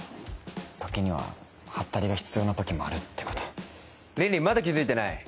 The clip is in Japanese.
時にはハッタリが必要な時もあるってこと凜々まだ気づいてない？